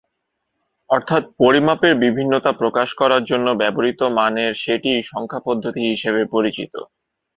অর্থাৎ পরিমাপের বিভিন্নতা প্রকাশ করার জন্য ব্যবহূত মানের সেটই সংখ্যাপদ্ধতি হিসেবে পরিচিত।